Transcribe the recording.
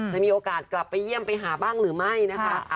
จะมีโอกาสกลับไปเยี่ยมไปหาบ้างหรือไม่นะคะ